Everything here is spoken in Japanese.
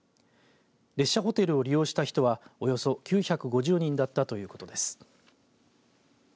列車ホテルを利用した人はおよそ９５０人だったということです。